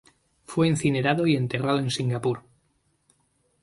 Fue incinerado y enterrado en Singapur.